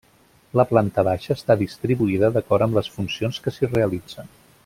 La planta baixa està distribuïda d'acord amb les funcions que s'hi realitzen.